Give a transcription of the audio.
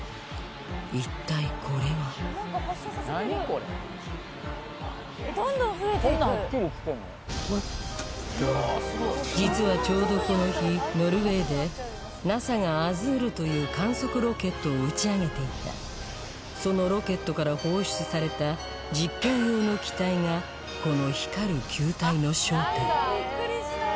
一体これは実はちょうどこの日ノルウェーでＮＡＳＡがＡＺＵＲＥという観測ロケットを打ち上げていたそのロケットから放出された実験用の気体がこの光る球体の正体